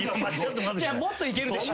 じゃあもっといけるでしょ。